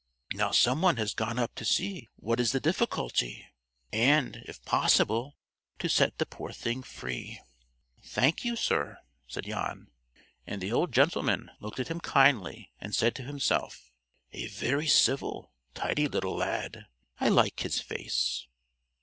Now some one has gone up to see what is the difficulty, and, if possible, to set the poor thing free." "Thank you, sir," said Jan. And the old gentleman looked at him kindly, and said to himself: "A very civil, tidy little lad! I like his face."